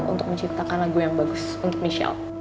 untuk menciptakan lagu yang bagus untuk michelle